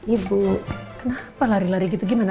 ibu kenapa lari lari gitu gimana